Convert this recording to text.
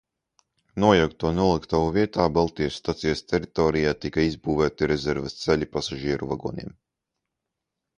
Nojaukto noliktavu vietā Baltijas stacijas teritorijā tika izbūvēti rezerves ceļi pasažieru vagoniem.